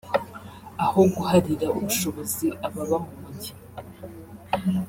aho guharira ubushobozi ababa mu mujyi